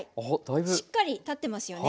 しっかり立ってますよね。